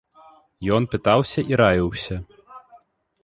Ён пытаўся і раіўся.